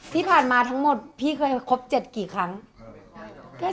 หลายคนอยากเห็นภาพด้วยกันแหละ